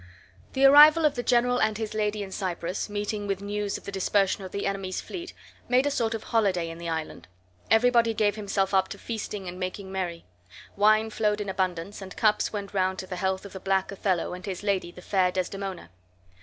The arrival of the general and his lady in Cyprus, meeting with news of the dispersion of the enemy's fleet, made a sort of holiday in the island. Everybody gave himself up to feasting and making merry. Wine flowed in abundance, and cups went round to the health of the black Othello and his lady the fair Desdemona.